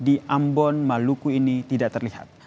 di ambon maluku ini tidak terlihat